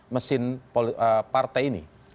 mesin partai ini